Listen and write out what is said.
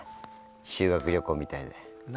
修学旅行みたいで。